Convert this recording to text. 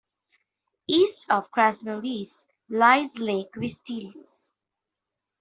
East of Krasnolesye lies Lake Vistytis.